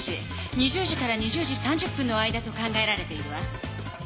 ２０時２０時３０分の間と考えられているわ。